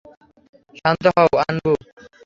শান্ত হও, আনবু।